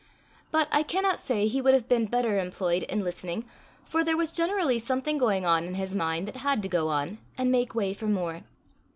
But I cannot say he would have been better employed in listening, for there was generally something going on in his mind that had to go on, and make way for more.